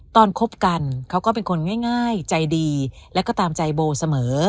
คบกันเขาก็เป็นคนง่ายใจดีและก็ตามใจโบเสมอ